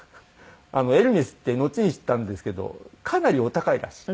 エルメスってのちに知ったんですけどかなりお高いらしい。